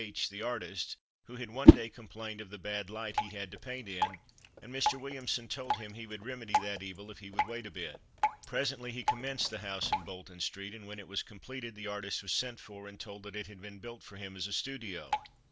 H , the artist, who had one day complained of the bad light he had to paint in, and Mr. Williamson told him he would remedy that evil if he would wait a bit. Presently he commenced the house in Bolton street, and when it was completed the artist was sent for, and told that it had been built for him as a studio. Mr.